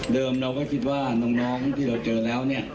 เริ่มเราก็คิดว่าน้องที่เราเจอแล้ว